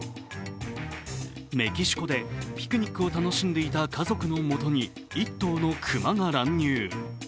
メキシコでピクニックを楽しんでいた家族のもとに１頭の熊が乱入。